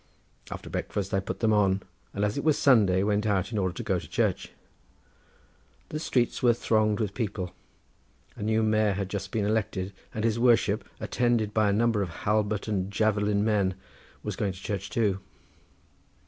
After breakfast I put them on, and as it was Sunday went out in order to go to church. The streets were thronged with people; a new mayor had just been elected, and his worship, attended by a number of halbert and javelin men, was going to church too.